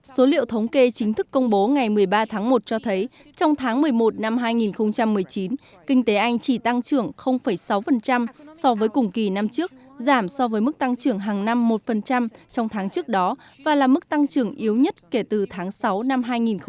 số liệu thống kê chính thức công bố ngày một mươi ba tháng một cho thấy trong tháng một mươi một năm hai nghìn một mươi chín kinh tế anh chỉ tăng trưởng sáu so với cùng kỳ năm trước giảm so với mức tăng trưởng hàng năm một trong tháng trước đó và là mức tăng trưởng yếu nhất kể từ tháng sáu năm hai nghìn một mươi tám